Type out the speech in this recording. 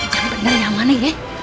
jangan bener yang mana ye